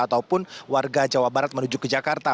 ataupun warga jawa barat menuju ke jakarta